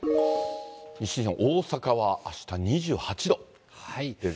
西日本、大阪はあした２８度。